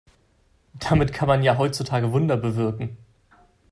Damit kann man ja heutzutage Wunder bewirken.